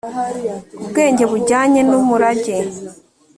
ubwenge bujyanye n umurage